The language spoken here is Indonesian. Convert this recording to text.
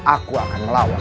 aku akan melawan